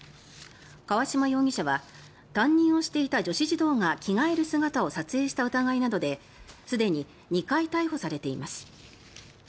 河嶌容疑者は担任をしていた女子児童が着替える姿を撮影した疑いなどですでに２回逮捕されています。